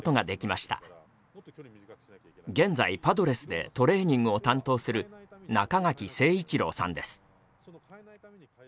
現在パドレスでトレーニングを担当する中垣征一郎さんです。